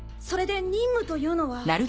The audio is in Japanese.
それで任務というのは？